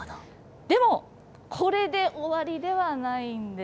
でもこれで終わりではないんです。